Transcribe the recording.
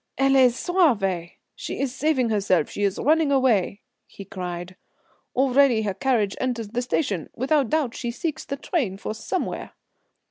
"Elle se sauve. She is saving herself; she is running away," he cried. "Already her carriage enters the station without doubt she seeks the train for somewhere."